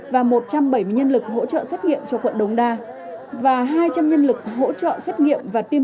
và một trăm bảy mươi nhân lực hỗ trợ xét nghiệm